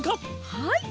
はい！